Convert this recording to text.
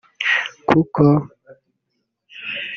kuko